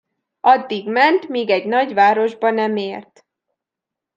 Addig ment, míg egy nagy városba nem ért.